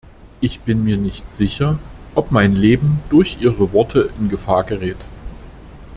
Ich bin mir nicht sicher, ob mein Leben durch ihre Worte in Gefahr gerät.